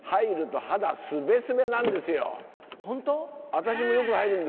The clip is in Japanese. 私もよく入るんですよ。